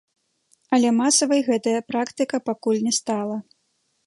Але масавай гэтая практыка пакуль не стала.